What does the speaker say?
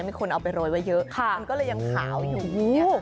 มีคนเอาไปโรยไว้เยอะมันก็เลยยังขาวอยู่